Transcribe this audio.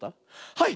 はい！